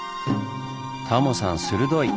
タモさん鋭い！